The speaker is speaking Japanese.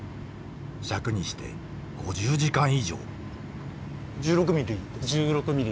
尺にして５０時間以上１６ミリ？